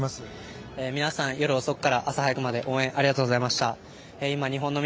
皆さん夜遅くから朝早くまでありがとうございました。